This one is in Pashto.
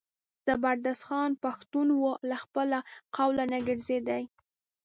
زبردست خان پښتون و له خپله قوله نه ګرځېدی.